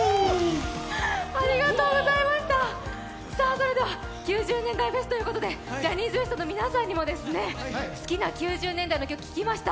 それでは、９０年代フェスということで、ジャニーズＷＥＳＴの皆さんにも好きな９０年代の曲聴きました。